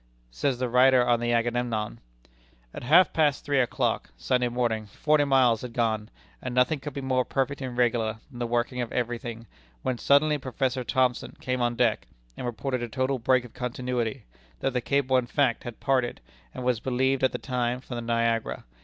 Says the writer on the Agamemnon: "At half past three o'clock [Sunday morning] forty miles had gone, and nothing could be more perfect and regular than the working of every thing, when suddenly Professor Thomson came on deck, and reported a total break of continuity; that the cable in fact had parted, and, as was believed at the time, from the Niagara.